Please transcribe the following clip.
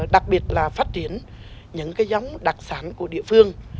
đặc biệt là phát triển những cái giống đặc sản của địa phương